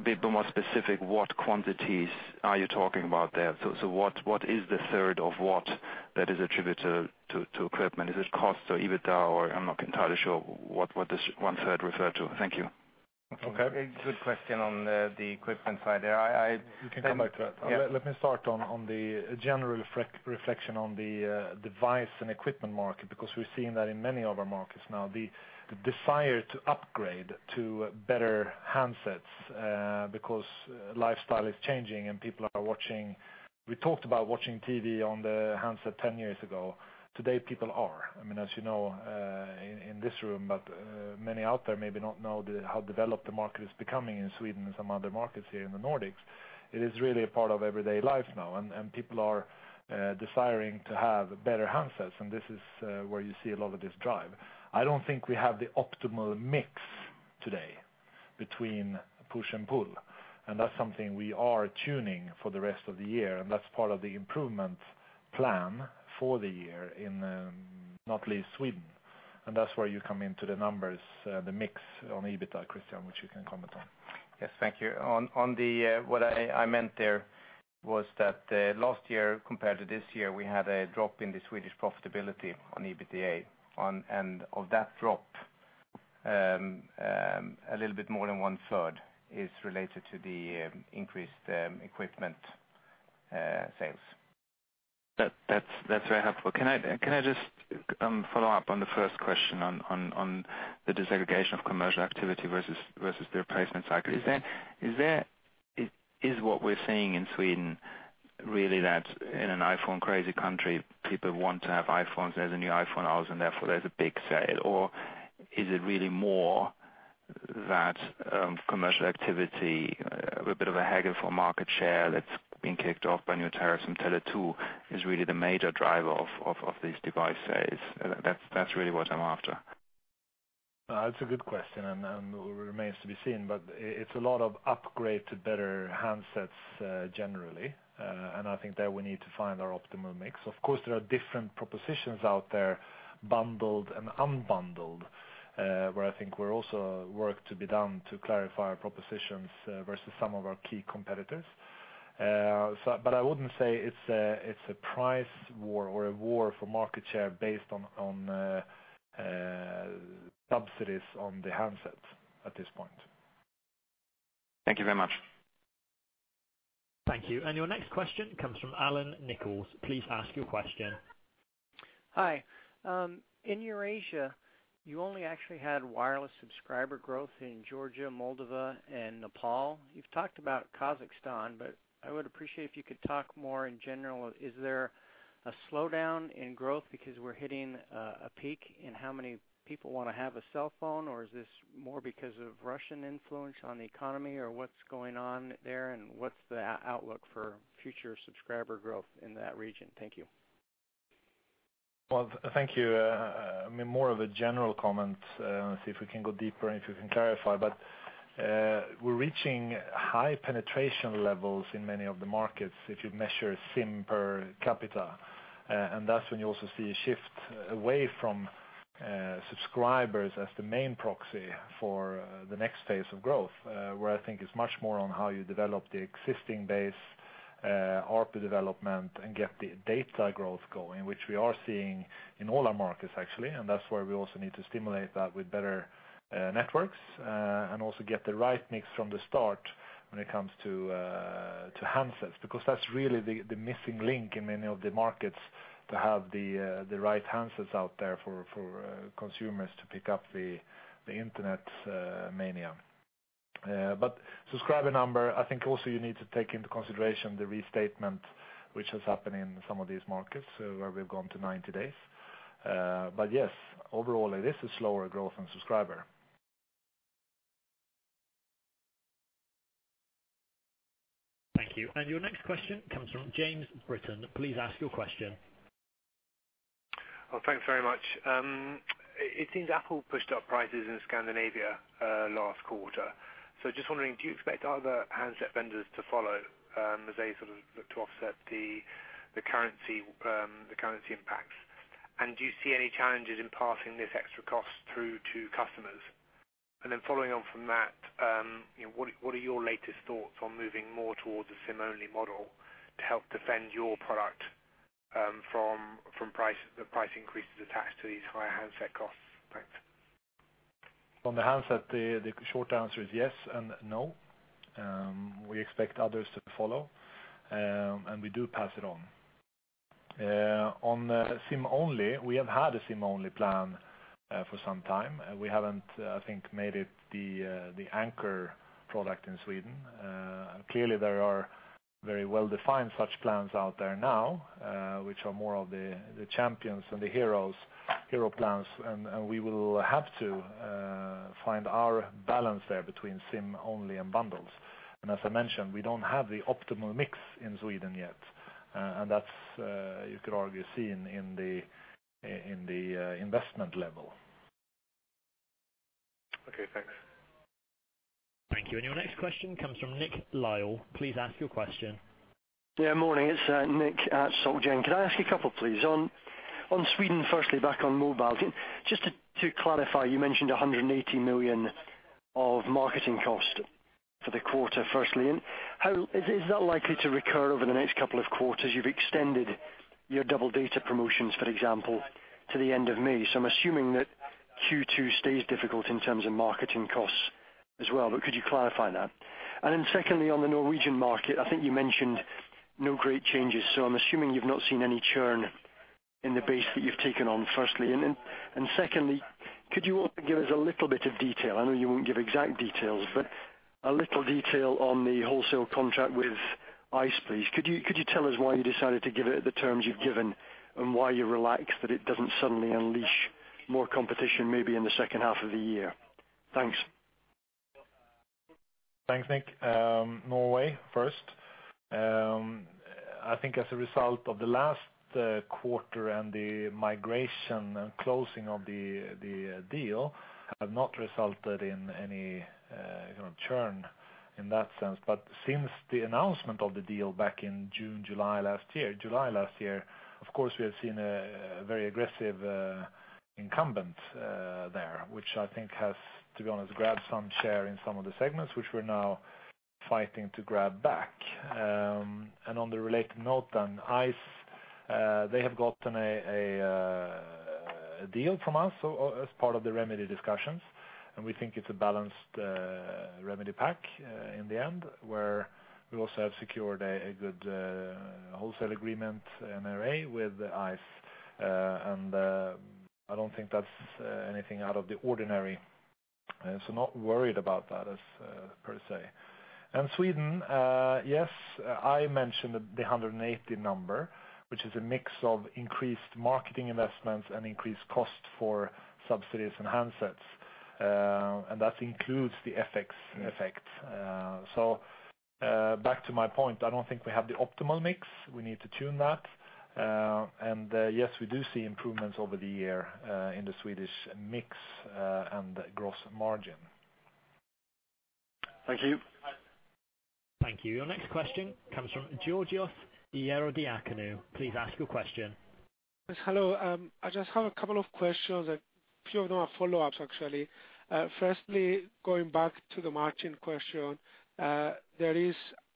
be a bit more specific, what quantities are you talking about there? What is the one third of what that is attributed to equipment? Is it cost or EBITDA, or I'm not entirely sure what this one third refer to. Thank you. Okay. Good question on the equipment side there. We can come back to that. Yeah. Let me start on the general reflection on the device and equipment market. We're seeing that in many of our markets now. The desire to upgrade to better handsets because lifestyle is changing and people are watching. We talked about watching TV on the handset 10 years ago. Today, people are. As you know in this room, but many out there maybe not know how developed the market is becoming in Sweden and some other markets here in the Nordics. It is really a part of everyday life now, and people are desiring to have better handsets, and this is where you see a lot of this drive. I don't think we have the optimal mix today between push and pull. That's something we are tuning for the rest of the year, and that's part of the improvement plan for the year in not least Sweden. That's where you come into the numbers, the mix on EBITDA, Christian, which you can comment on. Yes, thank you. What I meant there was that last year compared to this year, we had a drop in the Swedish profitability on EBITDA. Of that drop, a little bit more than one-third is related to the increased equipment sales. That's very helpful. Can I just follow up on the first question on the disaggregation of commercial activity versus the replacement cycle? Is what we're seeing in Sweden really that in an iPhone crazy country, people want to have iPhones. There's a new iPhone out and therefore there's a big sale. Is it really more that commercial activity, a bit of a hunger for market share that's been kicked off by new tariffs from Tele2 is really the major driver of these device sales? That's really what I'm after. That's a good question, and it remains to be seen, but it's a lot of upgrade to better handsets generally. I think there we need to find our optimal mix. Of course, there are different propositions out there, bundled and unbundled, where I think there's also work to be done to clarify our propositions versus some of our key competitors. I wouldn't say it's a price war or a war for market share based on subsidies on the handsets at this point. Thank you very much. Thank you. Your next question comes from Allan Nichols. Please ask your question. Hi. In Eurasia, you only actually had wireless subscriber growth in Georgia, Moldova, and Nepal. You've talked about Kazakhstan, I would appreciate if you could talk more in general. Is there a slowdown in growth because we're hitting a peak in how many people want to have a cell phone, is this more because of Russian influence on the economy? What's going on there, and what's the outlook for future subscriber growth in that region? Thank you. Well, thank you. More of a general comment, see if we can go deeper and if we can clarify, we're reaching high penetration levels in many of the markets, if you measure SIM per capita. That's when you also see a shift away from subscribers as the main proxy for the next phase of growth, where I think it's much more on how you develop the existing base, ARPU development, and get the data growth going, which we are seeing in all our markets, actually. That's why we also need to stimulate that with better networks. Also get the right mix from the start when it comes to handsets, because that's really the missing link in many of the markets, to have the right handsets out there for consumers to pick up the internet mania. Subscriber number, I think also you need to take into consideration the restatement which has happened in some of these markets, where we've gone to 90 days. Yes, overall, it is a slower growth on subscriber. Thank you. Your next question comes from James Britton. Please ask your question. Well, thanks very much. It seems Apple pushed up prices in Scandinavia last quarter. Just wondering, do you expect other handset vendors to follow as they sort of look to offset the currency impacts? Do you see any challenges in passing this extra cost through to customers? Then following on from that, what are your latest thoughts on moving more towards a SIM-only model to help defend your product from the price increases attached to these higher handset costs? Thanks. On the handset, the short answer is yes and no. We expect others to follow, and we do pass it on. On SIM-only, we have had a SIM-only plan for some time. We haven't, I think, made it the anchor product in Sweden. Clearly, there are very well-defined such plans out there now, which are more of the champions and the hero plans. We will have to find our balance there between SIM-only and bundles. As I mentioned, we don't have the optimal mix in Sweden yet. That's, you could argue, seen in the investment level. Okay, thanks. Thank you. Your next question comes from Nick Lyall. Please ask your question. Morning. It's Nick at Societe Generale. Can I ask a couple, please? On Sweden, firstly, back on mobile. Just to clarify, you mentioned 180 million of marketing cost for the quarter, firstly. Is that likely to recur over the next couple of quarters? You've extended your double data promotions, for example, to the end of May. I'm assuming that Q2 stays difficult in terms of marketing costs as well, but could you clarify that? Secondly, on the Norwegian market, I think you mentioned no great changes. I'm assuming you've not seen any churn in the base that you've taken on, firstly. Secondly, could you also give us a little bit of detail? I know you won't give exact details, but a little detail on the wholesale contract with ICE, please. Could you tell us why you decided to give it at the terms you've given, and why you're relaxed that it doesn't suddenly unleash more competition, maybe in the second half of the year? Thanks. Thanks, Nick. Norway first. I think as a result of the last quarter and the migration and closing of the deal, have not resulted in any churn in that sense. Since the announcement of the deal back in June, July last year, of course, we have seen a very aggressive incumbent there, which I think has, to be honest, grabbed some share in some of the segments, which we're now fighting to grab back. On the related note on ICE, they have gotten a deal from us as part of the remedy discussions, and we think it's a balanced remedy pack in the end, where we also have secured a good wholesale agreement, NRA, with ICE. I don't think that's anything out of the ordinary. Not worried about that as per se. Sweden, yes, I mentioned the 180 number, which is a mix of increased marketing investments and increased cost for subsidies and handsets. That includes the FX effect. Back to my point, I don't think we have the optimal mix. We need to tune that. Yes, we do see improvements over the year in the Swedish mix and gross margin. Thank you. Thank you. Your next question comes from Georgios Ierodiakonou. Please ask your question. Yes. Hello. I just have a couple of questions. A few of them are follow-ups, actually. Firstly, going back to the margin question. There is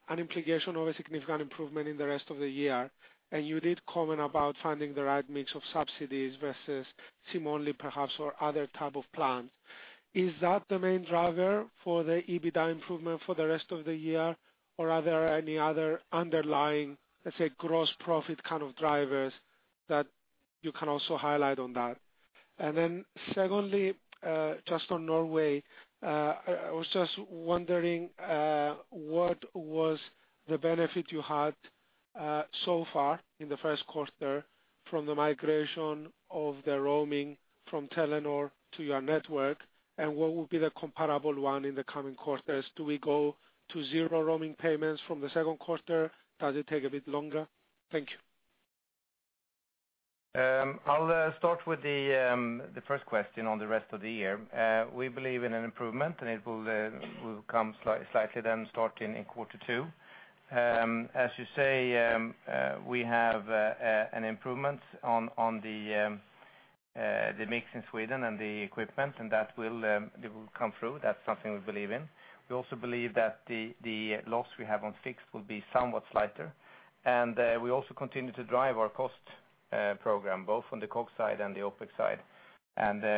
an implication of a significant improvement in the rest of the year, and you did comment about finding the right mix of subsidies versus SIM-only perhaps, or other type of plans. Is that the main driver for the EBITDA improvement for the rest of the year, or are there any other underlying, let's say, gross profit kind of drivers that you can also highlight on that? Then secondly, just on Norway. I was just wondering, what was the benefit you had so far in the first quarter from the migration of the roaming from Telenor to your network, and what will be the comparable one in the coming quarters? Do we go to zero roaming payments from the second quarter? Does it take a bit longer? Thank you. I will start with the first question on the rest of the year. We believe in an improvement, it will come slightly then starting in quarter two. As you say, we have an improvement on the mix in Sweden and the equipment, that will come through. That is something we believe in. We also believe that the loss we have on fixed will be somewhat slighter. We also continue to drive our cost program both on the COGS side and the OpEx side.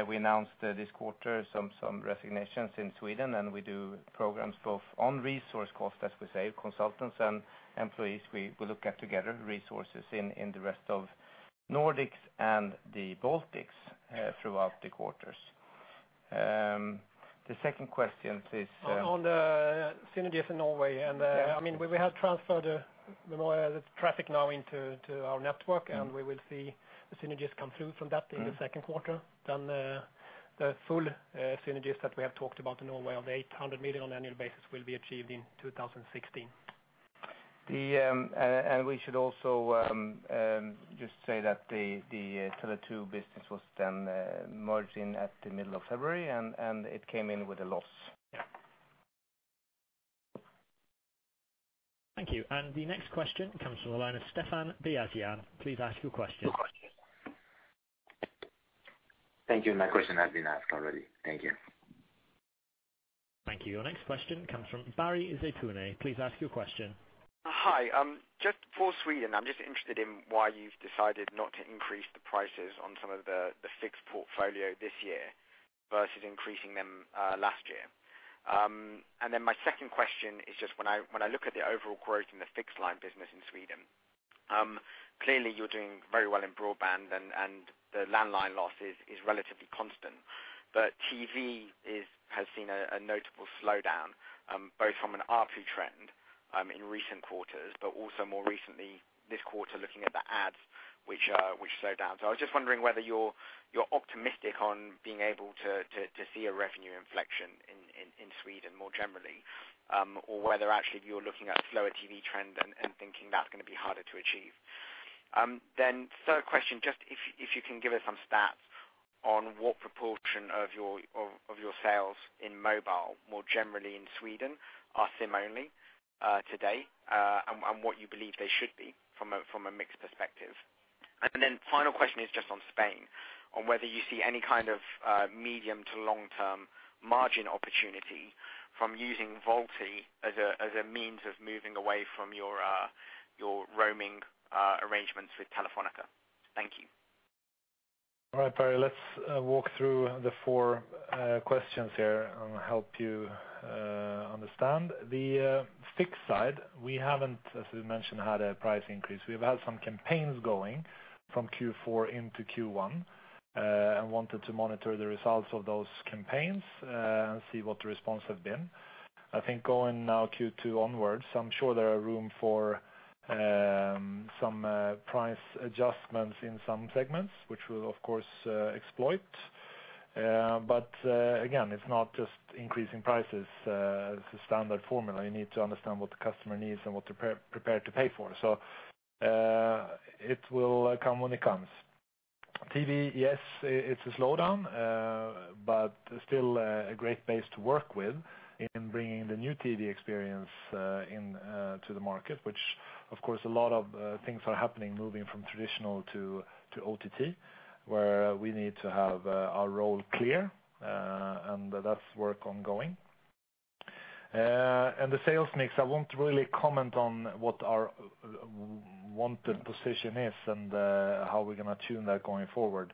We announced this quarter some resignations in Sweden, and we do programs both on resource cost, as we say, consultants and employees. We look at together resources in the rest of Nordics and the Baltics throughout the quarters. The second question please- On the synergies in Norway. Yeah. We have transferred the traffic now into our network, we will see the synergies come through from that in the second quarter. The full synergies that we have talked about in Norway of the 800 million on annual basis will be achieved in 2016. We should also just say that the Tele2 business was then merging at the middle of February, and it came in with a loss. Thank you. The next question comes from the line of Stefan Bieniawski]. Please ask your question. Thank you. My question has been asked already. Thank you. Thank you. Your next question comes from Barry Zeitoune. Please ask your question. Hi. Just for Sweden, I'm just interested in why you've decided not to increase the prices on some of the fixed portfolio this year versus increasing them last year. My second question is just when I look at the overall growth in the fixed line business in Sweden, clearly you're doing very well in broadband and the landline loss is relatively constant. TV has seen a notable slowdown, both from an ARPU trend in recent quarters, but also more recently this quarter looking at the ads, which slowed down. I was just wondering whether you're optimistic on being able to see a revenue inflection in Sweden more generally, or whether actually you're looking at a slower TV trend and thinking that's going to be harder to achieve. Third question, just if you can give us some stats on what proportion of your sales in mobile more generally in Sweden are SIM-only today, and what you believe they should be from a mixed perspective. Final question is just on Spain, on whether you see any kind of medium to long-term margin opportunity from using VoLTE as a means of moving away from your roaming arrangements with Telefónica. Thank you. All right, Barry, let's walk through the four questions here and help you understand. The fixed side, we haven't, as we mentioned, had a price increase. We've had some campaigns going from Q4 into Q1 and wanted to monitor the results of those campaigns, see what the response have been. I think going now Q2 onwards, I'm sure there are room for some price adjustments in some segments, which we'll of course exploit. Again, it's not just increasing prices. It's a standard formula. You need to understand what the customer needs and what they're prepared to pay for. It will come when it comes. TV, yes, it's a slowdown, but still a great base to work with in bringing the new TV experience into the market, which of course, a lot of things are happening, moving from traditional to OTT, where we need to have our role clear, and that's work ongoing. The sales mix, I won't really comment on what our wanted position is and how we're going to tune that going forward.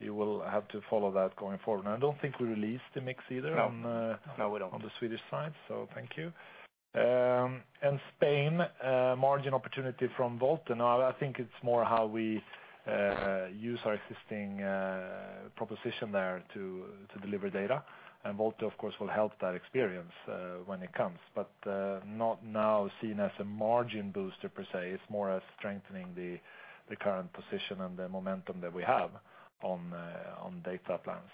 You will have to follow that going forward. I don't think we released the mix either. No, we don't on the Swedish side, so thank you. Spain, margin opportunity from VoLTE. No, I think it's more how we use our existing proposition there to deliver data. VoLTE, of course, will help that experience when it comes. Not now seen as a margin booster per se. It's more of strengthening the current position and the momentum that we have on data plans.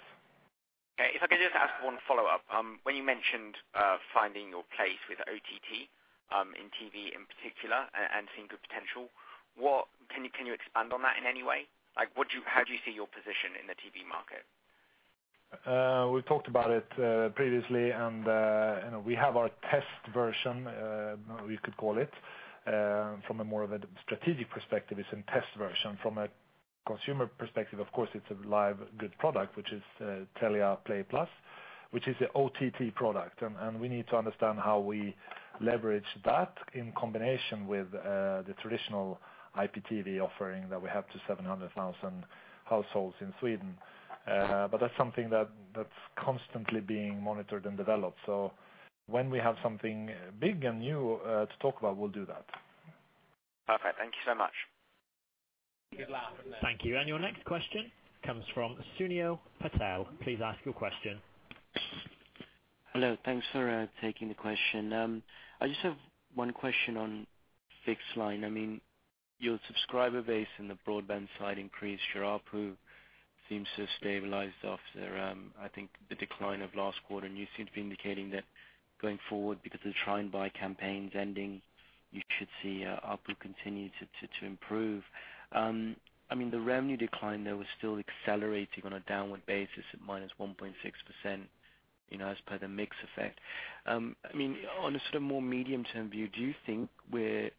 Okay. If I could just ask one follow-up. When you mentioned finding your place with OTT, in TV in particular, and seeing good potential, can you expand on that in any way? How do you see your position in the TV market? We've talked about it previously. We have our test version, we could call it. From a more of a strategic perspective, it's a test version. From a consumer perspective, of course, it's a live good product, which is Telia Play+, which is the OTT product. We need to understand how we leverage that in combination with the traditional IPTV offering that we have to 700,000 households in Sweden. That's something that's constantly being monitored and developed. When we have something big and new to talk about, we'll do that. Perfect. Thank you so much. Good luck. Thank you. Your next question comes from Sunil Patel. Please ask your question. Hello. Thanks for taking the question. I just have one question on fixed line. Your subscriber base in the broadband side increased your ARPU, seems to have stabilized after, I think, the decline of last quarter, and you seem to be indicating that going forward, because of the try and buy campaigns ending, you should see ARPU continue to improve. The revenue decline, though, was still accelerating on a downward basis at -1.6%, as per the mix effect. On a more medium-term view, do you think you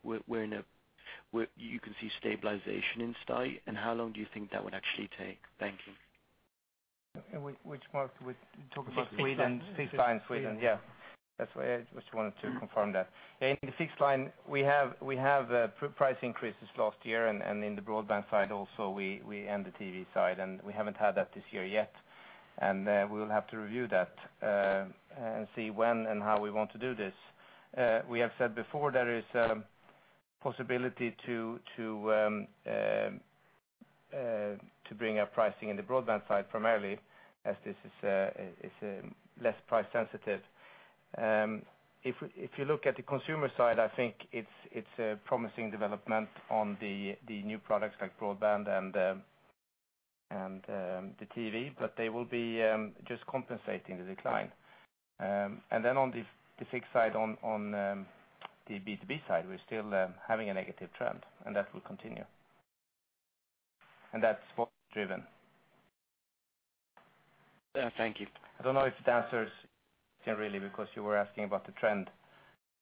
can see stabilization [on this day], and how long do you think that would actually take? Thank you. Which market we talk about? Sweden. Fixed line, Sweden. Yeah. That's why I just wanted to confirm that. In the fixed line, we have price increases last year, and in the broadband side also, and the TV side, and we haven't had that this year yet. We will have to review that, and see when and how we want to do this. We have said before there is possibility to bring up pricing in the broadband side primarily, as this is less price sensitive. If you look at the consumer side, I think it's a promising development on the new products like broadband and the TV, but they will be just compensating the decline. On the fixed side, on the B2B side, we're still having a negative trend, and that will continue. That's spot driven. Thank you. I don't know if that answers generally because you were asking about the trend,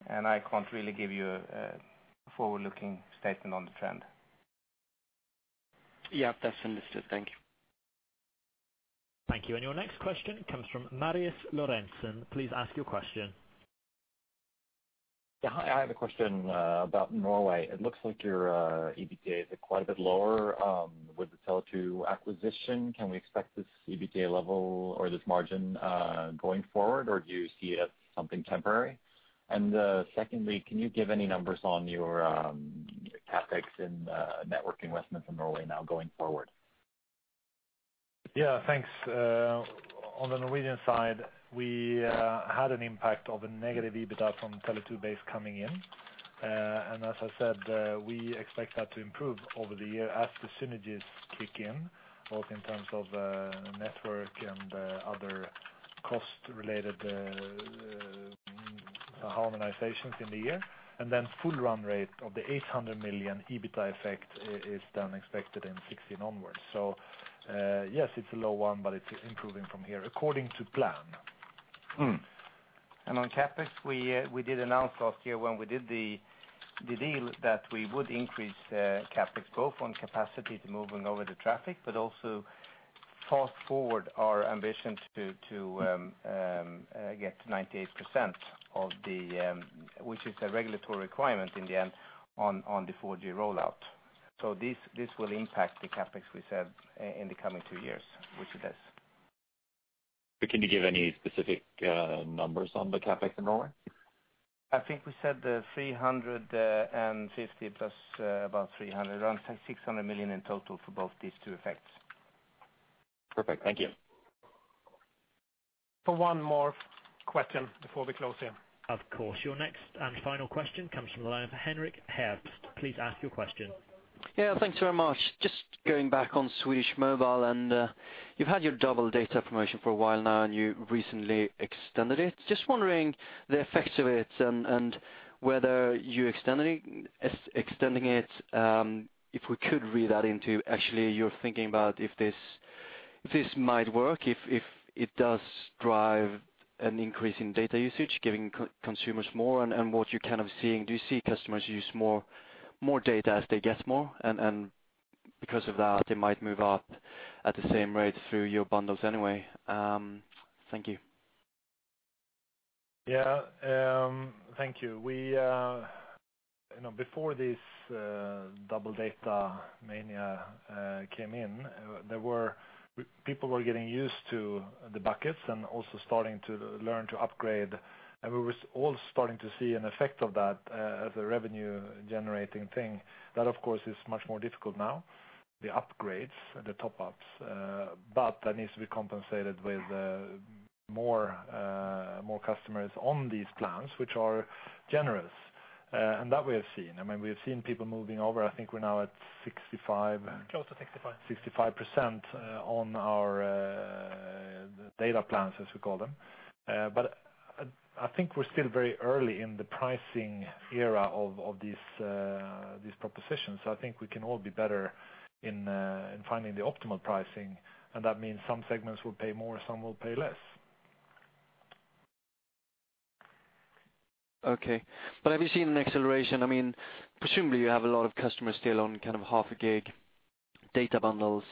and I can't really give you a forward-looking statement on the trend. That's understood. Thank you. Thank you. Your next question comes from Marius Lorentzen. Please ask your question. Hi. I have a question about Norway. It looks like your EBITDA is quite a bit lower with the Tele2 acquisition. Can we expect this EBITDA level or this margin going forward, or do you see it as something temporary? Secondly, can you give any numbers on your CapEx in network investments in Norway now going forward? Thanks. On the Norwegian side, we had an impact of a negative EBITDA from Tele2 base coming in. As I said, we expect that to improve over the year as the synergies kick in, both in terms of network and other cost-related harmonizations in the year. Full run rate of the 800 million EBITDA effect is then expected in 2016 onwards. Yes, it's a low one, but it's improving from here according to plan. On CapEx, we did announce last year when we did the deal that we would increase CapEx both on capacity to moving over the traffic, but also fast forward our ambition to get to 98%, which is a regulatory requirement in the end, on the 4G rollout. This will impact the CapEx we said in the coming two years, which it is. Can you give any specific numbers on the CapEx in Norway? I think we said 350 plus about 300, around 600 million in total for both these two effects. Perfect. Thank you. For one more question before we close here. Of course. Your next and final question comes from the line of Henrik Herbst. Please ask your question. Yeah, thanks very much. Just going back on Swedish Mobile, you've had your double data promotion for a while now, you recently extended it. Just wondering the effects of it and whether you extending it, if we could read that into actually you're thinking about if this might work, if it does drive an increase in data usage, giving consumers more, what you're seeing. Do you see customers use more data as they get more? Because of that, they might move up at the same rate through your bundles anyway. Thank you. Yeah. Thank you. Before this double data mania came in, people were getting used to the buckets and also starting to learn to upgrade. We were all starting to see an effect of that as a revenue-generating thing. That, of course, is much more difficult now, the upgrades, the top-ups, but that needs to be compensated with more customers on these plans, which are generous. That we have seen. We've seen people moving over. I think we're now at 65. Close to 65%. 65% on our data plans, as we call them. I think we're still very early in the pricing era of these propositions. I think we can all be better in finding the optimal pricing, and that means some segments will pay more, some will pay less. Okay. Have you seen an acceleration? Presumably, you have a lot of customers still on half a gig data bundles,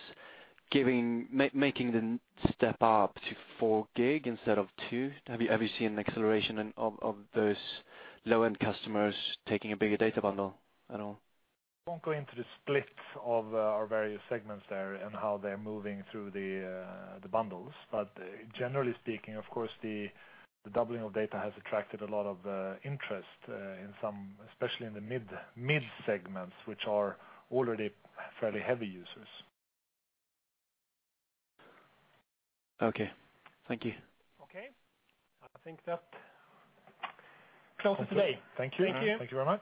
making them step up to four gig instead of two. Have you seen an acceleration of those low-end customers taking a bigger data bundle at all? Won't go into the split of our various segments there and how they're moving through the bundles. Generally speaking, of course, the doubling of data has attracted a lot of interest, especially in the mid segments, which are already fairly heavy users. Okay. Thank you. Okay. I think that closes today. Thank you. Thank you. Thank you very much.